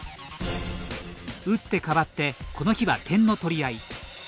打って変わってこの日は点の取り合い。